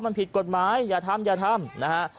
มันผิดกฎหมายอย่าทำอย่าทำนะฮะ